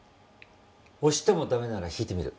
押しても駄目なら引いてみる。